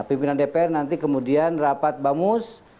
pimpinan dpr nanti kemudian rapat bamus